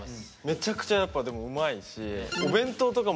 めちゃくちゃやっぱでもうまいしえっ